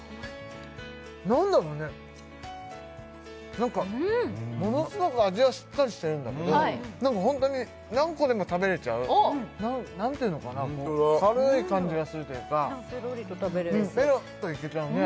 何だろうね何かものすごく味はしっかりしてるんだけどホントに何個でも食べれちゃう何ていうのかな軽い感じがするというかペロリと食べれるうんペロッといけちゃうね